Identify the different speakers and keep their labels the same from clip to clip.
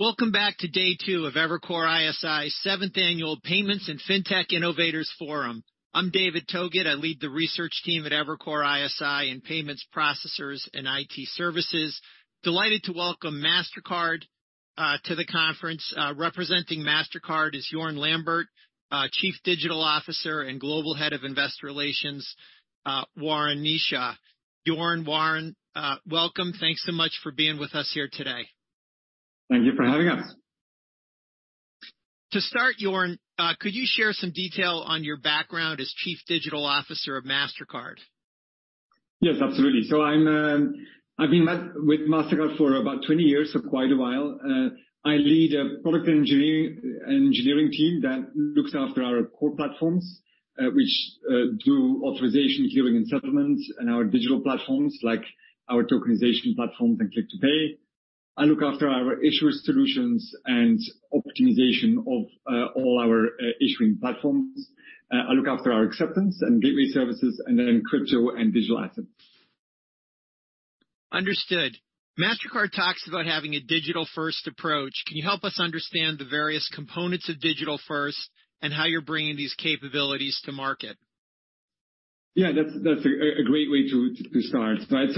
Speaker 1: Welcome back to day two of Evercore ISI 7th Annual Payments and FinTech Innovators Forum. I'm David Togut. I lead the research team at Evercore ISI in payments, processors, and IT services. Delighted to welcome Mastercard to the conference. Representing Mastercard is Jorn Lambert, Chief Digital Officer and Global Head of Investor Relations, Warren Kneeshaw. Jorn, Warren, welcome. Thanks so much for being with us here today.
Speaker 2: Thank you for having us.
Speaker 1: To start, Jorn, could you share some detail on your background as Chief Digital Officer of Mastercard?
Speaker 2: Yes, absolutely. I've been with Mastercard for about 20 years, so quite a while. I lead a product engineering team that looks after our core platforms, which do authorization, clearing and settlement and our digital platforms like our tokenization platforms and Click to Pay. I look after our issuer solutions and optimization of all our issuing platforms. I look after our acceptance and gateway services and then crypto and digital assets.
Speaker 1: Understood. Mastercard talks about having a digital-first approach. Can you help us understand the various components of Digital First and how you're bringing these capabilities to market?
Speaker 2: Yeah, that's a great way to start. Right?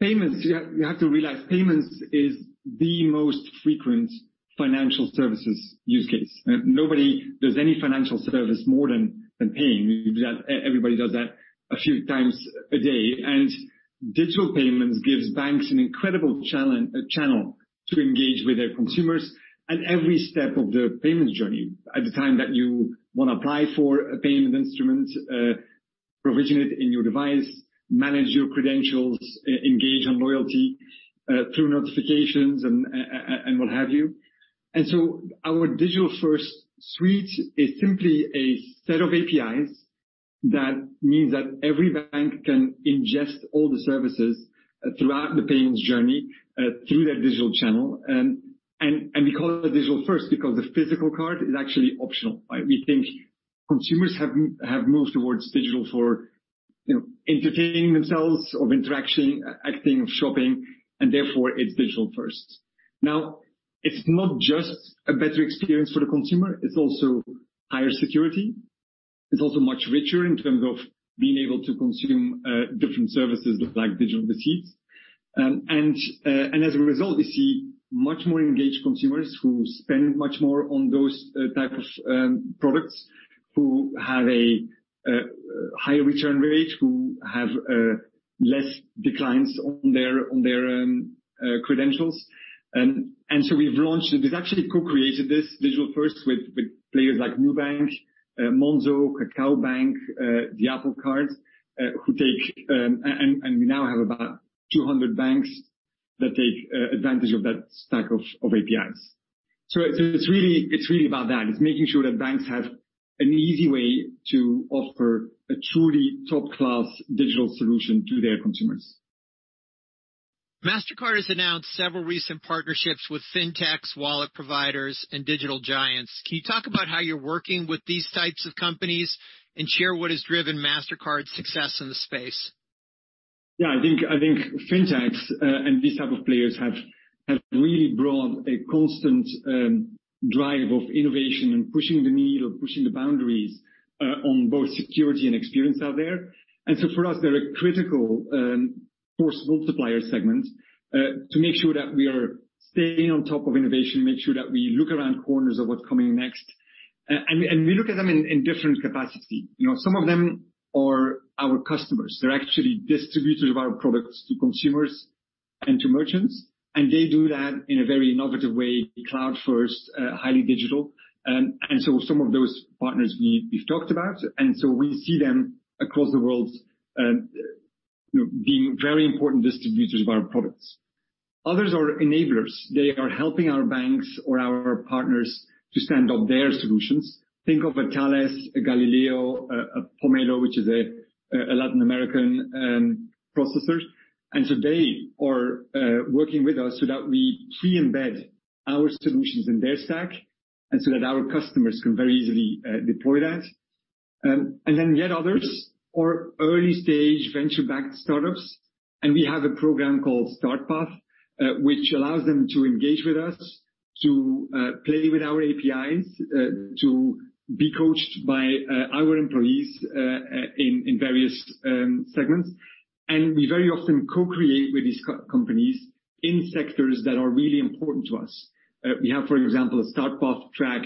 Speaker 2: Payments, you have to realize payments is the most frequent financial services use case. Nobody does any financial service more than paying. Everybody does that a few times a day. Digital payments gives banks an incredible channel to engage with their consumers at every step of the payment journey. At the time that you wanna apply for a payment instrument, provision it in your device, manage your credentials, e-engage on loyalty, through notifications and what have you. Our Digital First suite is simply a set of APIs that means that every bank can ingest all the services throughout the payments journey, through their digital channel. We call it a Digital First because the physical card is actually optional, right? We think consumers have moved towards digital for, you know, entertaining themselves or interaction, acting, shopping, and therefore it's Digital First. Now, it's not just a better experience for the consumer, it's also higher security. It's also much richer in terms of being able to consume different services like digital receipts. As a result, we see much more engaged consumers who spend much more on those type of products, who have a higher return rate, who have less declines on their credentials. We've actually co-created this Digital First with players like Nubank, Monzo, Kakao Bank, the Apple Card. We now have about 200 banks that take advantage of that stack of APIs. It's really about that. It's making sure that banks have an easy way to offer a truly top-class digital solution to their consumers.
Speaker 1: Mastercard has announced several recent partnerships with Fintechs, wallet providers and digital giants. Can you talk about how you're working with these types of companies and share what has driven Mastercard's success in the space?
Speaker 2: Yeah, I think Fintechs, and these type of players have really brought a constant drive of innovation and pushing the needle, pushing the boundaries on both security and experience out there. For us, they're a critical force multiplier segment to make sure that we are staying on top of innovation, make sure that we look around corners of what's coming next. And we look at them in different capacity. You know, some of them are our customers. They're actually distributors of our products to consumers and to merchants, and they do that in a very innovative way, cloud first, highly digital. Some of those partners we've talked about. We see them across the world, you know, being very important distributors of our products. Others are enablers. They are helping our banks or our partners to stand up their solutions. Think of a Thales, a Galileo, a Pomelo, which is a Latin American processor. They are working with us so that we pre-embed our solutions in their stack and so that our customers can very easily deploy that. Yet others are early-stage venture-backed startups. We have a program called Start Path, which allows them to engage with us, to play with our APIs, to be coached by our employees in various segments. We very often co-create with these companies in sectors that are really important to us. We have, for example, a Start Path track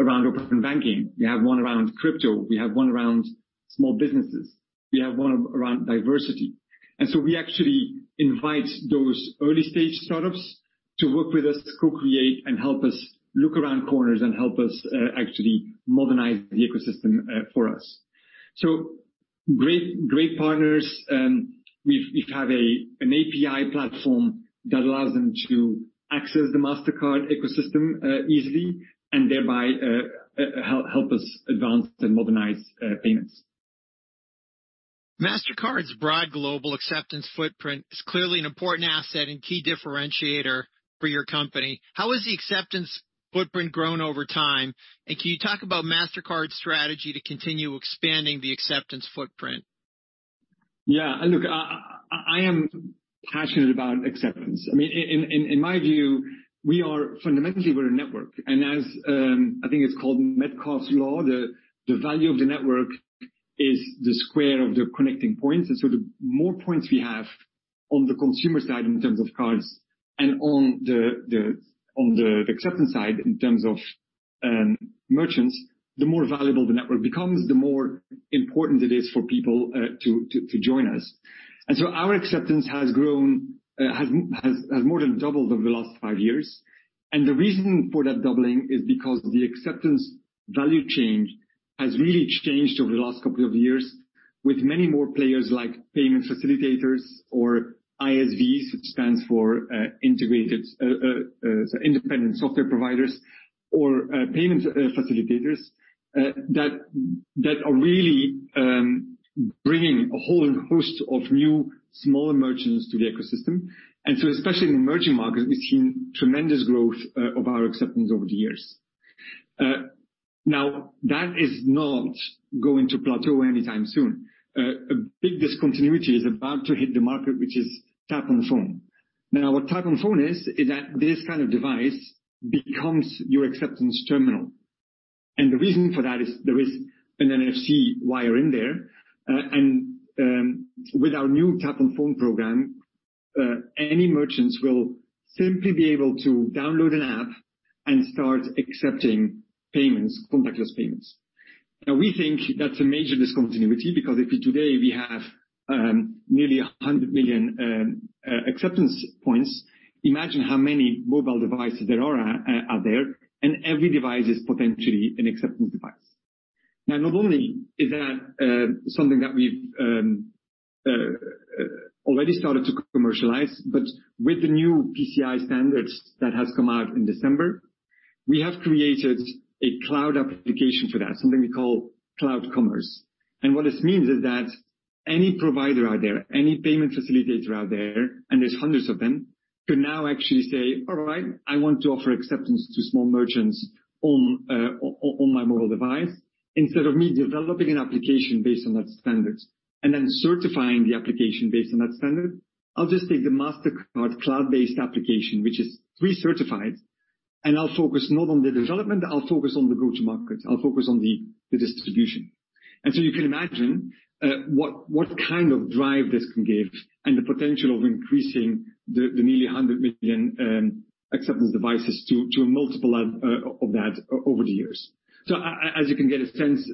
Speaker 2: around open banking. We have one around crypto. We have one around small businesses. We have one around diversity. We actually invite those early stage startups to work with us to co-create and help us look around corners and help us actually modernize the ecosystem for us. Great, great partners. We have an API platform that allows them to access the Mastercard ecosystem easily and thereby help us advance and modernize payments.
Speaker 1: Mastercard's broad global acceptance footprint is clearly an important asset and key differentiator for your company. How has the acceptance footprint grown over time? Can you talk about Mastercard's strategy to continue expanding the acceptance footprint?
Speaker 2: Yeah. Look, I am passionate about acceptance. I mean, in my view, we are fundamentally we're a network. As, I think it's called Metcalfe's Law, the value of the network is the square of the connecting points. The more points we have on the consumer side in terms of cards and on the acceptance side in terms of merchants, the more valuable the network becomes, the more important it is for people to join us. Our acceptance has grown, has more than doubled over the last five years. The reason for that doubling is because the acceptance value change has really changed over the last couple of years with many more players like payment facilitators or ISVs, which stands for integrated independent software providers or payment facilitators that are really bringing a whole host of new smaller merchants to the ecosystem. Especially in emerging markets, we've seen tremendous growth of our acceptance over the years. Now, that is not going to plateau anytime soon. A big discontinuity is about to hit the market, which is Tap on Phone. Now what Tap on Phone is that this kind of device becomes your acceptance terminal. The reason for that is there is an NFC wire in there. With our new Tap on Phone program, any merchants will simply be able to download an app and start accepting payments, contactless payments. We think that's a major discontinuity because if today we have, nearly 100 million acceptance points, imagine how many mobile devices are there, and every device is potentially an acceptance device. Not only is that something that we've already started to commercialize, but with the new PCI standards that has come out in December, we have created a cloud application for that, something we call Cloud Commerce. What this means is that any provider out there, any payment facilitator out there, and there's hundreds of them, can now actually say, "All right, I want to offer acceptance to small merchants on my mobile device. Instead of me developing an application based on that standard and then certifying the application based on that standard, I'll just take the Mastercard cloud-based application, which is pre-certified, and I'll focus not on the development, I'll focus on the go-to-market, I'll focus on the distribution. You can imagine what kind of drive this can give and the potential of increasing the nearly 100 million acceptance devices to a multiple of that over the years. As you can get a sense,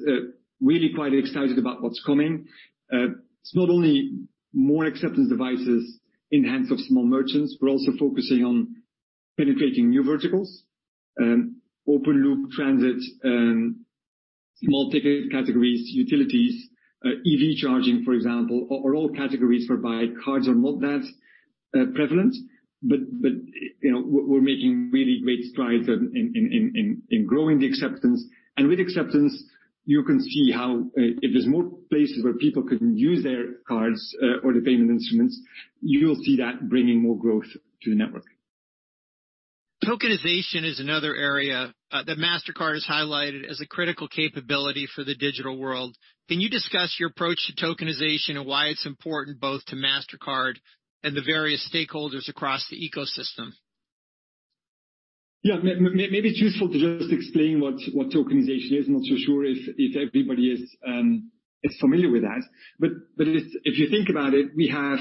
Speaker 2: really quite excited about what's coming. It's not only more acceptance devices in the hands of small merchants, we're also focusing on penetrating new verticals, open-loop transit, small ticket categories, utilities, EV charging, for example, are all categories where by cards are not that prevalent. You know, we're making really great strides in growing the acceptance. With acceptance, you can see how if there's more places where people can use their cards or the payment instruments, you'll see that bringing more growth to the network.
Speaker 1: Tokenization is another area that Mastercard has highlighted as a critical capability for the digital world. Can you discuss your approach to tokenization and why it's important both to Mastercard and the various stakeholders across the ecosystem?
Speaker 2: Yeah. Maybe it's useful to just explain what tokenization is. I'm not so sure if everybody is familiar with that. But it's. If you think about it, we have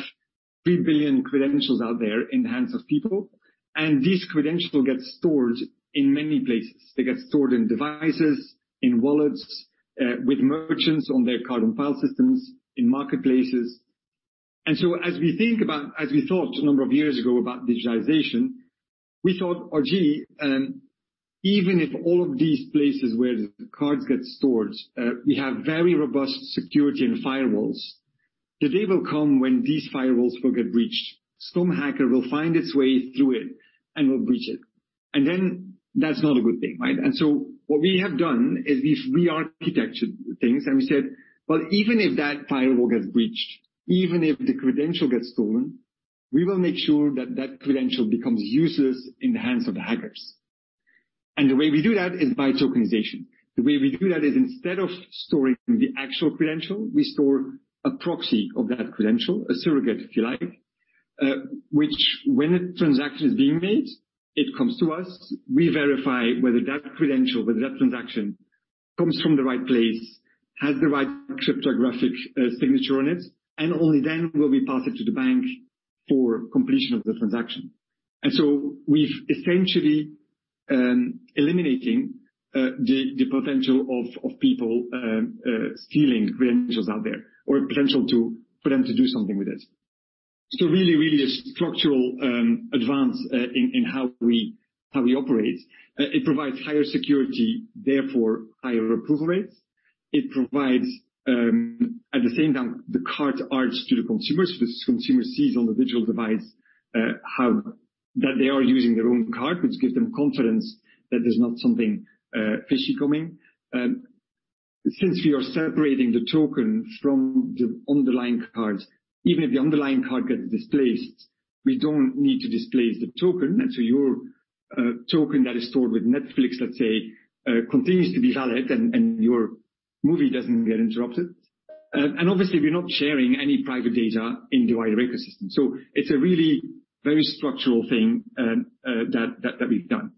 Speaker 2: 3 billion credentials out there in the hands of people. These credentials get stored in many places. They get stored in devices, in wallets, with merchants on their card on file systems, in marketplaces. As we thought a number of years ago about digitization, we thought, oh, gee, even if all of these places where the cards get stored, we have very robust security and firewalls, the day will come when these firewalls will get breached. Some hacker will find its way through it and will breach it. That's not a good thing, right? What we have done is we've re-architected things and we said, "Well, even if that firewall gets breached, even if the credential gets stolen, we will make sure that that credential becomes useless in the hands of the hackers." The way we do that is by tokenization. The way we do that is instead of storing the actual credential, we store a proxy of that credential, a surrogate, if you like, which when a transaction is being made, it comes to us. We verify whether that credential, whether that transaction comes from the right place, has the right cryptographic signature on it, and only then will we pass it to the bank for completion of the transaction. We've essentially eliminating the potential of people stealing credentials out there or potential to, for them to do something with it. Really a structural advance in how we operate. It provides higher security, therefore higher approval rates. It provides at the same time, the card urge to the consumers 'cause the consumer sees on the digital device that they are using their own card, which gives them confidence that there's not something fishy coming. Since we are separating the token from the underlying cards, even if the underlying card gets displaced, we don't need to displace the token. A token that is stored with Netflix, let's say, continues to be valid and your movie doesn't get interrupted. And obviously we're not sharing any private data in the wider ecosystem. So it's a really very structural thing that we've done.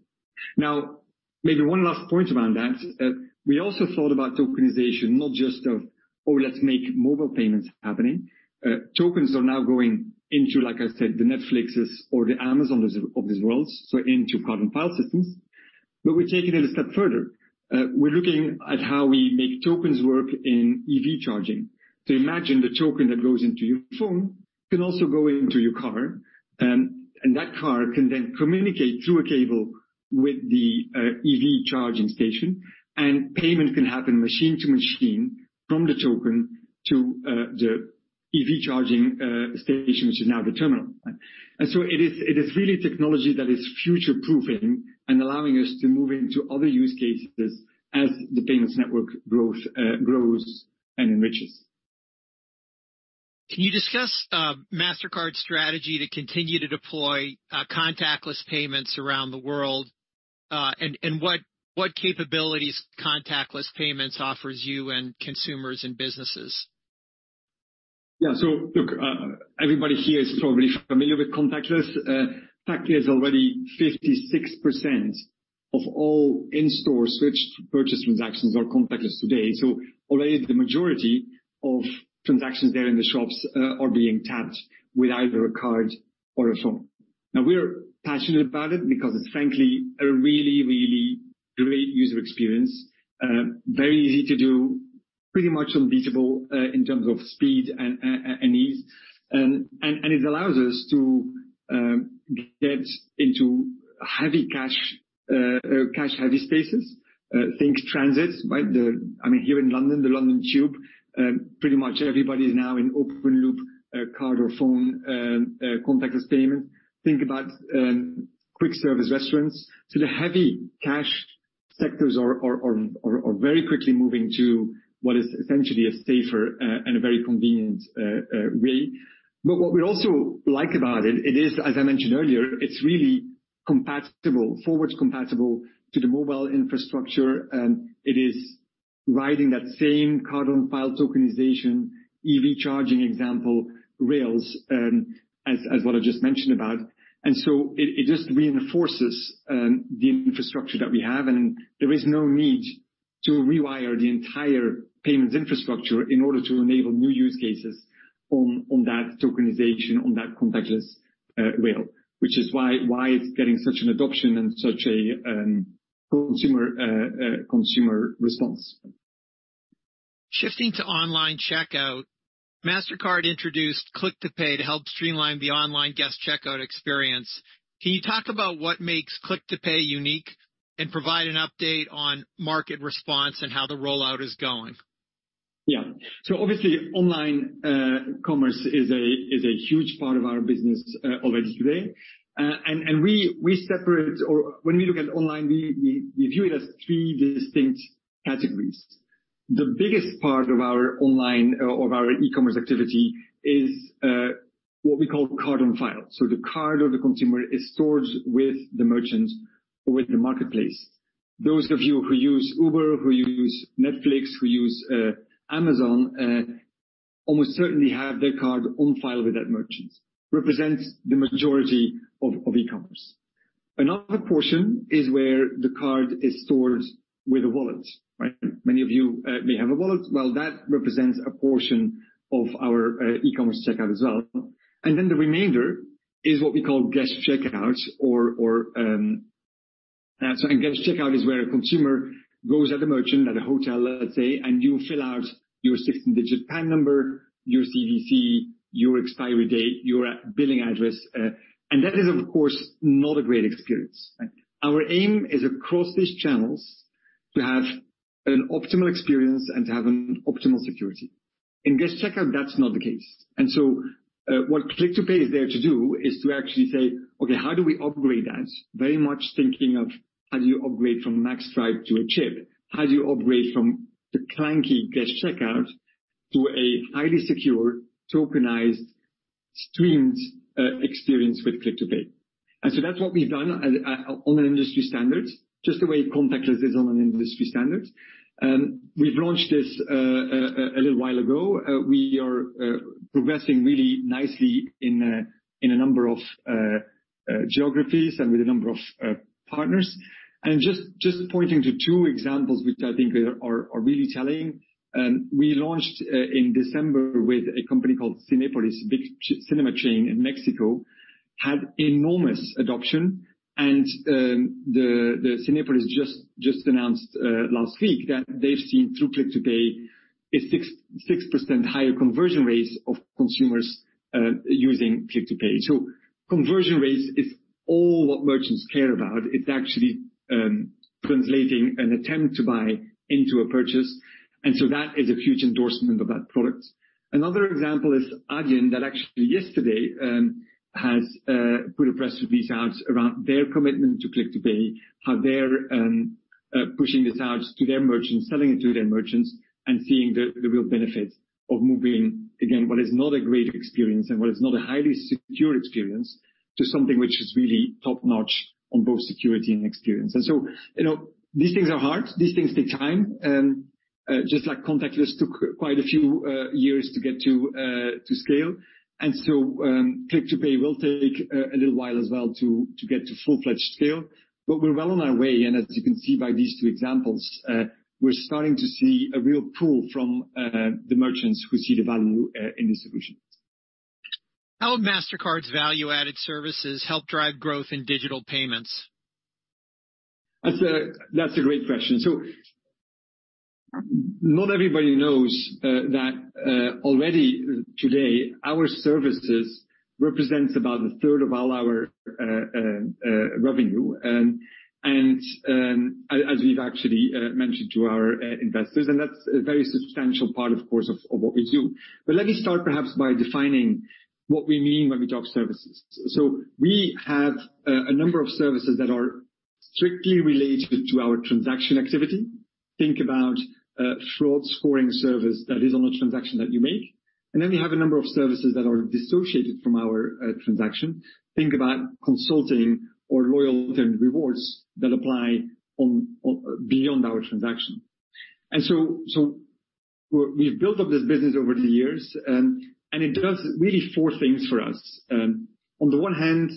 Speaker 2: Now, maybe one last point around that. We also thought about tokenization, not just of, oh, let's make mobile payments happening. Tokens are now going into, like I said, the Netflix's or the Amazon's of this world, so into card on file systems. But we've taken it a step further. We're looking at how we make tokens work in EV charging. So imagine the token that goes into your phone can also go into your car, and that car can then communicate through a cable with the EV charging station, and payment can happen machine to machine from the token to the EV charging station, which is now the terminal. It is really technology that is future-proofing and allowing us to move into other use cases as the payments network growth, grows and enriches.
Speaker 1: Can you discuss Mastercard's strategy to continue to deploy contactless payments around the world, and what capabilities contactless payments offers you and consumers and businesses?
Speaker 2: Yeah. Look, everybody here is probably familiar with contactless. Fact is already 56% of all in-store switched purchase transactions are contactless today. Already the majority of transactions there in the shops are being tapped with either a card or a phone. Now, we're passionate about it because it's frankly a really, really great user experience. Very easy to do, pretty much unbeatable in terms of speed and ease. It allows us to get into heavy cash-heavy spaces, think transit, right? I mean, here in London, the London Tube, pretty much everybody is now in open-loop, card or phone, contactless payment. Think about quick service restaurants. The heavy cash sectors are very quickly moving to what is essentially a safer and a very convenient way. What we also like about it, as I mentioned earlier, it's really compatible, forwards compatible to the mobile infrastructure. It is riding that same card on file tokenization, EV charging example rails, as what I just mentioned about. It just reinforces the infrastructure that we have, and there is no need to rewire the entire payments infrastructure in order to enable new use cases on that tokenization, on that contactless rail. Which is why it's getting such an adoption and such a consumer response.
Speaker 1: Shifting to online checkout, Mastercard introduced Click to Pay to help streamline the online guest checkout experience. Can you talk about what makes Click to Pay unique and provide an update on market response and how the rollout is going?
Speaker 2: Yeah. Obviously, online commerce is a, is a huge part of our business already today. We, we separate or when we look at online, we, we view it as three distinct categories. The biggest part of our online or of our e-commerce activity is what we call card on file. The card of the consumer is stored with the merchant or with the marketplace. Those of you who use Uber, who use Netflix, who use Amazon, almost certainly have their card on file with that merchant, represents the majority of e-commerce. Another portion is where the card is stored with a wallet, right? Many of you may have a wallet. Well, that represents a portion of our e-commerce checkout as well. The remainder is what we call guest checkout or guest checkout is where a consumer goes at a merchant, at a hotel, let's say, and you fill out your 16-digit PAN number, your CVC, your expiry date, your billing address, and that is, of course, not a great experience. Our aim is across these channels to have an optimal experience and to have an optimal security. In guest checkout, that's not the case. What Click to Pay is there to do is to actually say, "Okay, how do we upgrade that?" Very much thinking of how do you upgrade from a magstripe to a chip? How do you upgrade from the clunky guest checkout to a highly secure, tokenized, streamed experience with Click to Pay? That's what we've done on an industry standard, just the way contactless is on an industry standard. We've launched this a little while ago. We are progressing really nicely in a number of geographies and with a number of partners. Just pointing to two examples, which I think are really telling, we launched in December with a company called Cinépolis, big cinema chain in Mexico, had enormous adoption. The Cinépolis announced last week that they've seen through Click to Pay a 6% higher conversion rates of consumers using Click to Pay. Conversion rates is all what merchants care about. It's actually translating an attempt to buy into a purchase. That is a huge endorsement of that product. Another example is Adyen, that actually yesterday, has put a press release out around their commitment to Click to Pay, how they're pushing this out to their merchants, selling it to their merchants, and seeing the real benefit of moving, again, what is not a great experience and what is not a highly secure experience to something which is really top-notch on both security and experience. You know, these things are hard. These things take time. Just like contactless took quite a few years to get to scale. Click to Pay will take a little while as well to get to full-fledged scale. We're well on our way. As you can see by these two examples, we're starting to see a real pull from the merchants who see the value in the solution.
Speaker 1: How have Mastercard's value-added services helped drive growth in digital payments?
Speaker 2: That's a great question. Not everybody knows that already today, our services represents about a third of all our revenue. As we've actually mentioned to our investors, that's a very substantial part, of course, of what we do. Let me start perhaps by defining what we mean when we talk services. We have a number of services that are strictly related to our transaction activity. Think about fraud scoring service that is on a transaction that you make. We have a number of services that are dissociated from our transaction. Think about consulting or loyalty and rewards that apply beyond our transaction. We've built up this business over the years, and it does really four things for us. On the one hand,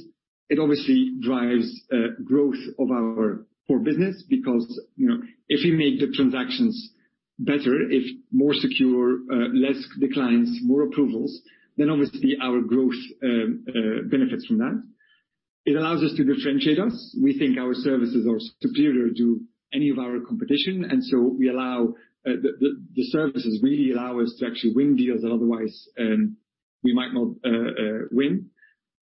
Speaker 2: it obviously drives growth of our core business because, you know, if we make the transactions better, if more secure, less declines, more approvals, then obviously our growth benefits from that. It allows us to differentiate us. We think our services are superior to any of our competition, and so we allow the services really allow us to actually win deals that otherwise we might not win.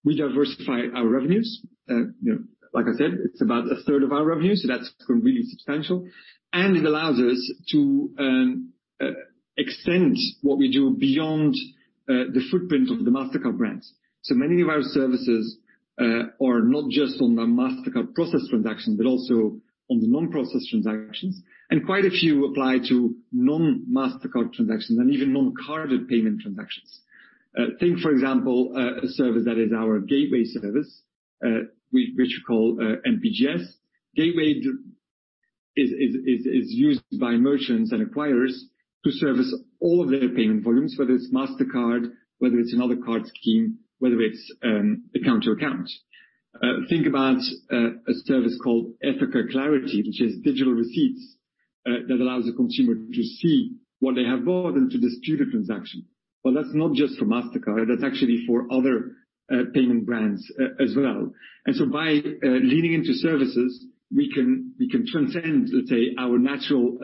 Speaker 2: We diversify our revenues. You know, like I said, it's about a third of our revenue, so that's really substantial. It allows us to extend what we do beyond the footprint of the Mastercard brand. Many of our services are not just on the Mastercard process transaction, but also on the non-process transactions. Quite a few apply to non-Mastercard transactions and even non-carded payment transactions. Think, for example, a service that is our gateway service, which we call MPGS. Gateway is used by merchants and acquirers to service all of their payment volumes, whether it's Mastercard, whether it's another card scheme, whether it's account to account. Think about a service called Ethoca Clarity, which is digital receipts, that allows the consumer to see what they have bought and to dispute a transaction. That's not just for Mastercard, that's actually for other payment brands as well. By leaning into services, we can transcend, let's say, our natural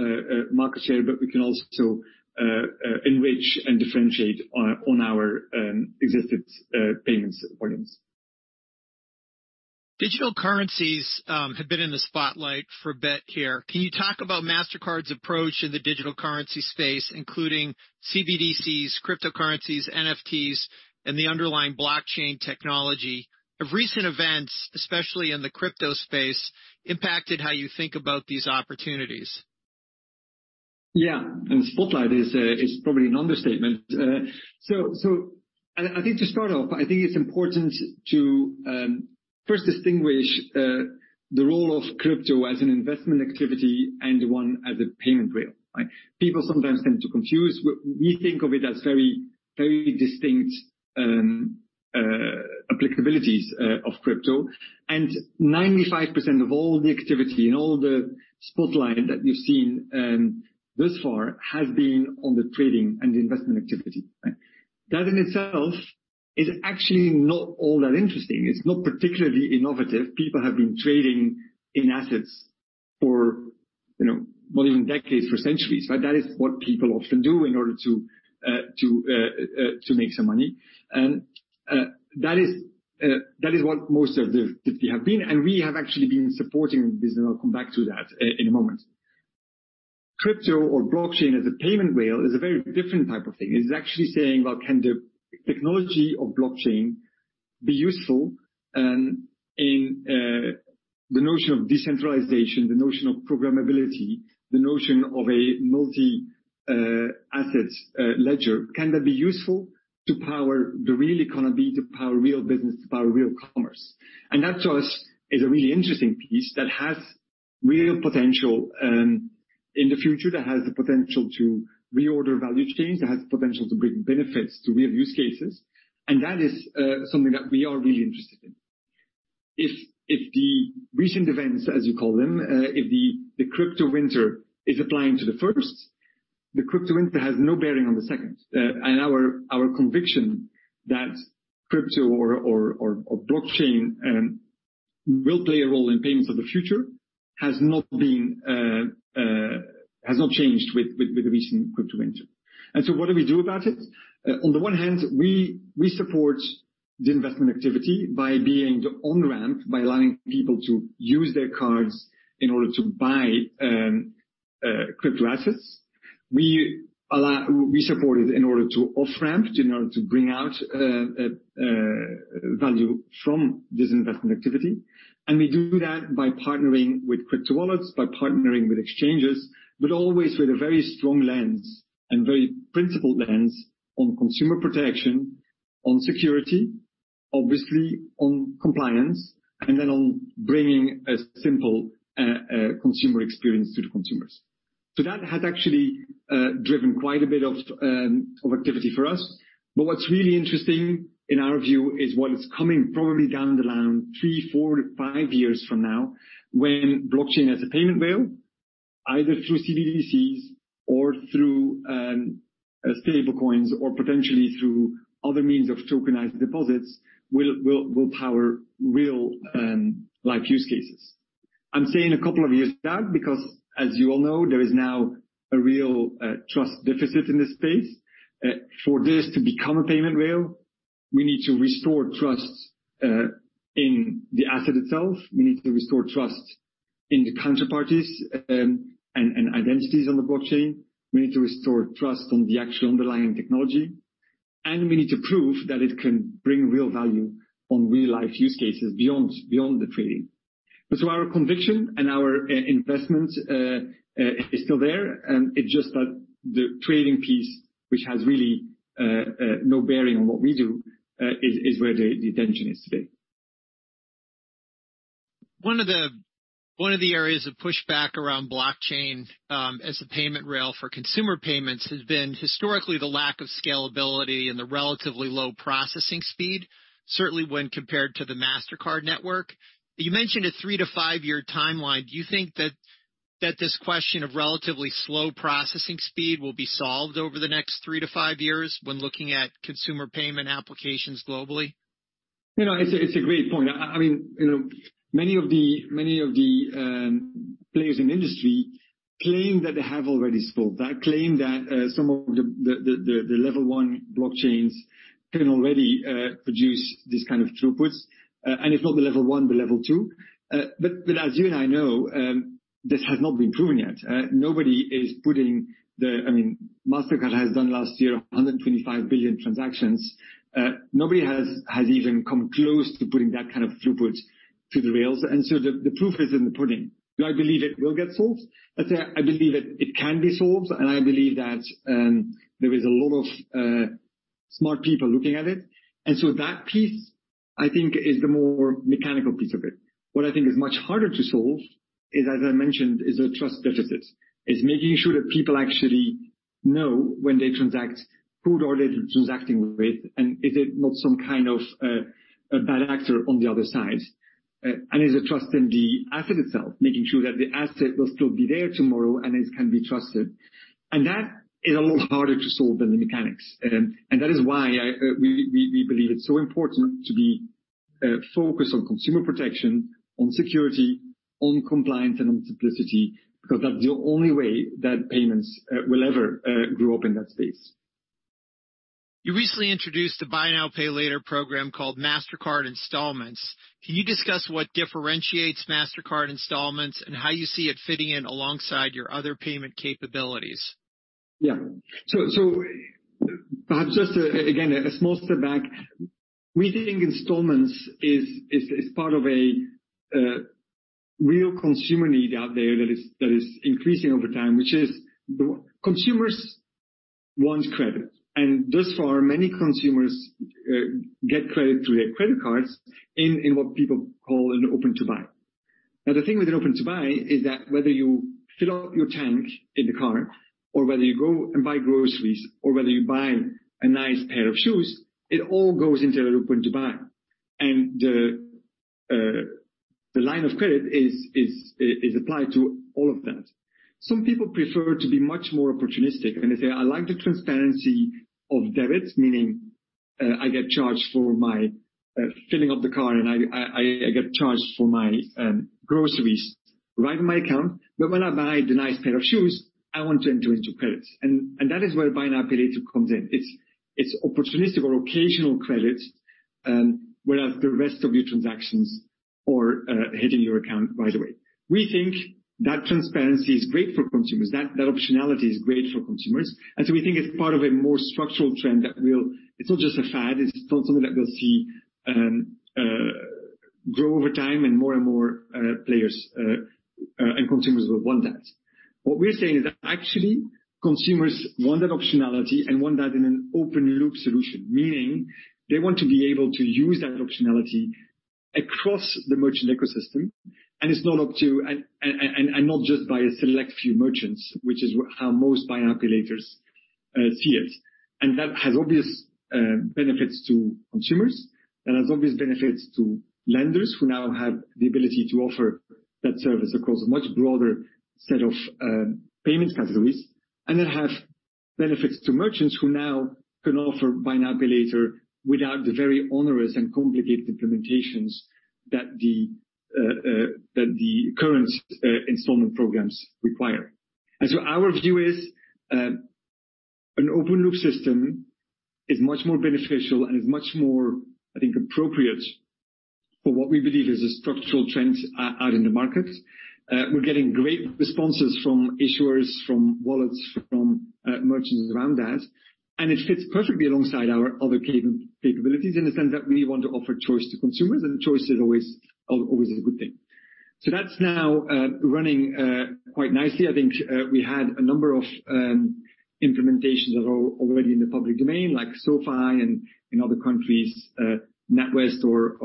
Speaker 2: market share, but we can also enrich and differentiate on our existing payments volumes.
Speaker 1: Digital currencies have been in the spotlight for a bit here. Can you talk about Mastercard's approach in the digital currency space, including CBDCs, cryptocurrencies, NFTs, and the underlying blockchain technology? Have recent events, especially in the crypto space, impacted how you think about these opportunities?
Speaker 2: Yeah. Spotlight is probably an understatement. I think to start off, I think it's important to first distinguish the role of crypto as an investment activity and one as a payment rail, right? People sometimes tend to confuse. We think of it as very, very distinct applicabilities of crypto. 95% of all the activity and all the spotlight that we've seen thus far has been on the trading and investment activity. That in itself is actually not all that interesting. It's not particularly innovative. People have been trading in assets for, you know, well, even decades, for centuries, right? That is what people often do in order to make some money. That is what most of the activity have been. We have actually been supporting this, and I'll come back to that in a moment. Crypto or blockchain as a payment rail is a very different type of thing. It's actually saying, well, can the technology of blockchain be useful in the notion of decentralization, the notion of programmability, the notion of a multi assets ledger, can that be useful to power the real economy, to power real business, to power real commerce? That to us is a really interesting piece that has real potential in the future, that has the potential to reorder value chains, that has the potential to bring benefits to real use cases. That is something that we are really interested in. If the recent events, as you call them, if the crypto winter is applying to the first, the crypto winter has no bearing on the second. Our conviction that crypto or blockchain will play a role in payments of the future has not changed with the recent crypto winter. What do we do about it? On the one hand, we support the investment activity by being the on-ramp, by allowing people to use their cards in order to buy crypto assets. We support it in order to off-ramp, in order to bring out value from this investment activity. We do that by partnering with crypto wallets, by partnering with exchanges, but always with a very strong lens and very principled lens on consumer protection, on security, obviously on compliance and then on bringing a simple consumer experience to the consumers. That has actually driven quite a bit of activity for us. What's really interesting in our view is what is coming probably down the line 3, 4 to 5 years from now when blockchain as a payment rail, either through CBDCs or through stablecoins or potentially through other means of tokenized deposits, will power real life use cases. I'm saying a couple of years out because as you all know, there is now a real trust deficit in this space. For this to become a payment rail, we need to restore trust in the asset itself. We need to restore trust in the counterparties, and identities on the blockchain. We need to restore trust on the actual underlying technology, and we need to prove that it can bring real value on real life use cases beyond the trading. Our conviction and our investment is still there, it's just that the trading piece, which has really no bearing on what we do, is where the attention is today.
Speaker 1: One of the areas of pushback around blockchain, as a payment rail for consumer payments has been historically the lack of scalability and the relatively low processing speed, certainly when compared to the Mastercard network. You mentioned a 3 to 5-year timeline. Do you think that this question of relatively slow processing speed will be solved over the next 3 to 5 years when looking at consumer payment applications globally?
Speaker 2: You know, it's a great point. I mean, you know, many of the players in the industry claim that they have already solved that, claim that some of the Layer 1 blockchains can already produce these kind of throughputs, and if not the Layer 1, the Layer 2. As you and I know, this has not been proven yet. Nobody is putting the... I mean, Mastercard has done last year $125 billion transactions. Nobody has even come close to putting that kind of throughput to the rails. The proof is in the pudding. Do I believe it will get solved? I'd say I believe it can be solved, and I believe that, there is a lot of smart people looking at it. That piece, I think, is the more mechanical piece of it. What I think is much harder to solve is, as I mentioned, is a trust deficit. It's making sure that people actually know when they transact, who they're transacting with, and is it not some kind of, a bad actor on the other side. Is it trust in the asset itself, making sure that the asset will still be there tomorrow and it can be trusted. That is a lot harder to solve than the mechanics. That is why I believe it's so important to be focused on consumer protection, on security, on compliance, and on simplicity, because that's the only way that payments will ever grow up in that space.
Speaker 1: You recently introduced a buy now, pay later program called Mastercard Installments. Can you discuss what differentiates Mastercard Installments and how you see it fitting in alongside your other payment capabilities?
Speaker 2: Perhaps just again, a small step back. We think installments is part of a real consumer need out there that is increasing over time, which is consumers want credit. Thus far, many consumers get credit through their credit cards in what people call an open to buy. Now, the thing with an open to buy is that whether you fill up your tank in the car or whether you go and buy groceries or whether you buy a nice pair of shoes, it all goes into a open to buy. The line of credit is applied to all of that. Some people prefer to be much more opportunistic and they say, "I like the transparency of debit," meaning I get charged for my filling up the car and I get charged for my groceries right in my account, but when I buy the nice pair of shoes, I want to enter into credits. That is where buy now, pay later comes in. It's opportunistic or occasional credit, whereas the rest of your transactions are hitting your account right away. We think that transparency is great for consumers, that optionality is great for consumers. We think it's part of a more structural trend. It's not just a fad, it's not something that we'll see grow over time and more and more players and consumers will want that. What we're saying is that actually consumers want that optionality and want that in an open-loop solution, meaning they want to be able to use that optionality across the merchant ecosystem. It's not up to, and not just by a select few merchants, which is how most buy now pay laters see it. That has obvious benefits to consumers and has obvious benefits to lenders who now have the ability to offer that service across a much broader set of payments categories, and it has benefits to merchants who now can offer buy now pay later without the very onerous and complicated implementations that the current installment programs require. Our view is an open-loop system is much more beneficial and is much more, I think, appropriate for what we believe is a structural trend out in the market. We're getting great responses from issuers, from wallets, from merchants around that, and it fits perfectly alongside our other capabilities in the sense that we want to offer choice to consumers, and choice is always a good thing. That's now running quite nicely. I think we had a number of implementations that are already in the public domain, like SoFi and in other countries, NatWest or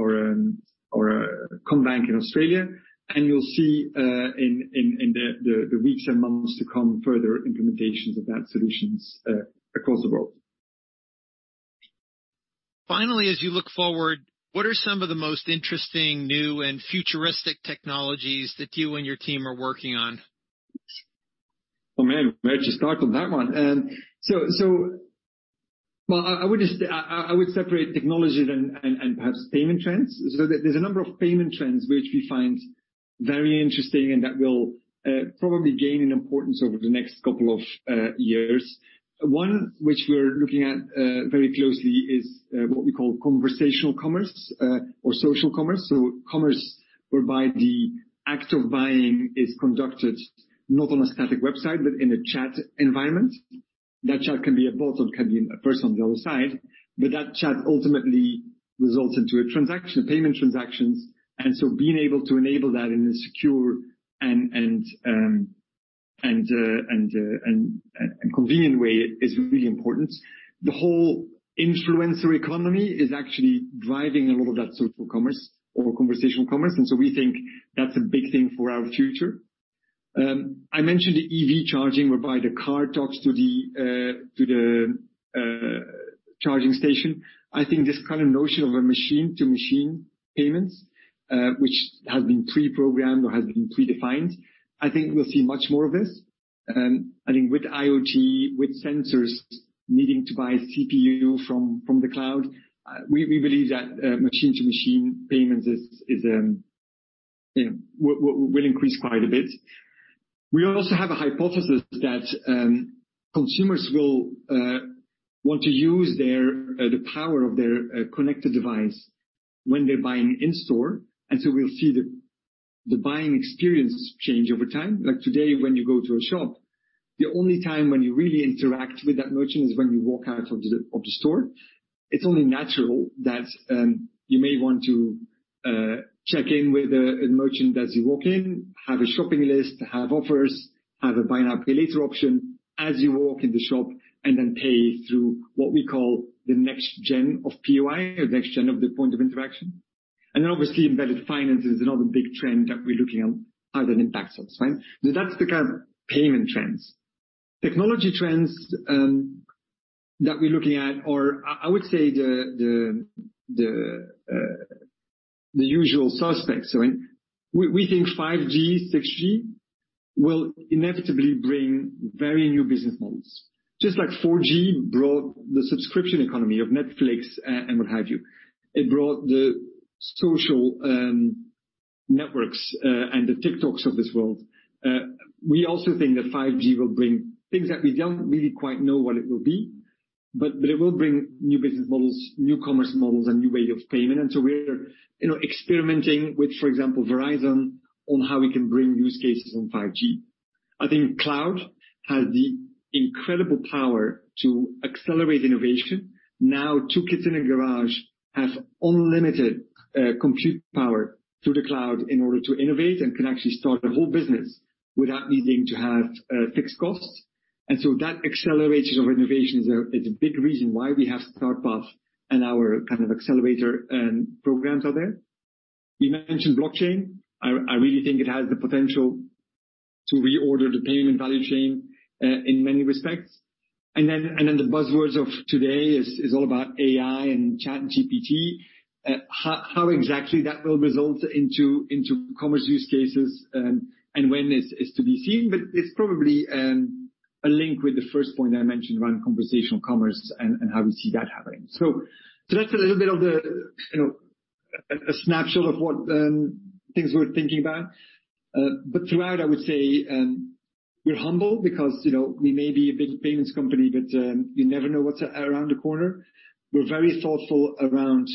Speaker 2: CommBank in Australia. You'll see in the weeks and months to come further implementations of that solutions across the world.
Speaker 1: Finally, as you look forward, what are some of the most interesting new and futuristic technologies that you and your team are working on?
Speaker 2: Oh, man, where to start on that one? Well, I would separate technologies and perhaps payment trends. There's a number of payment trends which we find very interesting and that will probably gain in importance over the next couple of years. One, which we're looking at very closely is what we call conversational commerce or social commerce. Commerce whereby the act of buying is conducted not on a static website but in a chat environment. That chat can be a bot or can be a person on the other side, but that chat ultimately results into a transaction, payment transactions. Being able to enable that in a secure and convenient way is really important. The whole influencer economy is actually driving a lot of that social commerce or conversational commerce. We think that's a big thing for our future. I mentioned the EV charging, whereby the car talks to the charging station. I think this kind of notion of a machine-to-machine payments, which has been pre-programmed or has been predefined, I think we'll see much more of this. I think with IoT, with sensors needing to buy CPU from the cloud, we believe that machine-to-machine payments is, you know, will increase quite a bit. We also have a hypothesis that consumers will want to use their power of their connected device when they're buying in store. We'll see the buying experience change over time. Today, when you go to a shop, the only time when you really interact with that merchant is when you walk out of the store. It's only natural that you may want to check in with a merchant as you walk in, have a shopping list, have offers, have a buy now pay later option as you walk in the shop and then pay through what we call the next-gen of POI or next-gen of the point of interaction. Obviously embedded finance is another big trend that we're looking at how that impacts us. Right? That's the kind of payment trends. Technology trends that we're looking at or I would say the usual suspects. We think 5G, 6G will inevitably bring very new business models. Just like 4G brought the subscription economy of Netflix and what have you. It brought the social networks and the TikToks of this world. We also think that 5G will bring things that we don't really quite know what it will be, but it will bring new business models, new commerce models, and new way of payment. We're, you know, experimenting with, for example, Verizon on how we can bring use cases on 5G. I think cloud has the incredible power to accelerate innovation. Now, two kids in a garage have unlimited compute power through the cloud in order to innovate and can actually start a whole business without needing to have fixed costs. That acceleration of innovation is a big reason why we have Start Path and our kind of accelerator programs are there. You mentioned blockchain. I really think it has the potential to reorder the payment value chain in many respects. The buzzwords of today is all about AI and ChatGPT. How exactly that will result into commerce use cases, and when is to be seen, but it's probably a link with the first point I mentioned around conversational commerce and how we see that happening. That's a little bit of the, you know, a snapshot of what things we're thinking about. But throughout I would say, we're humble because, you know, we may be a big payments company, but you never know what's around the corner. We're very thoughtful around,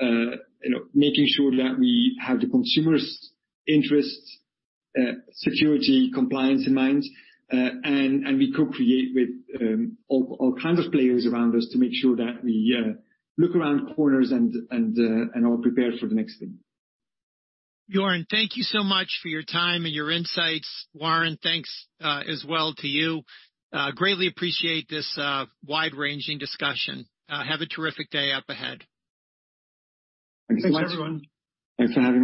Speaker 2: you know, making sure that we have the consumers' interests, security, compliance in mind. We co-create with, all kinds of players around us to make sure that we, look around corners and are prepared for the next thing.
Speaker 1: Jorn, thank you so much for your time and your insights. Warren, thanks as well to you. Greatly appreciate this wide-ranging discussion. Have a terrific day up ahead.
Speaker 2: Thanks so much. Thanks, everyone. Thanks for having me.